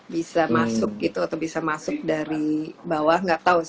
bisa masuk gitu atau bisa masuk dari bawah nggak tahu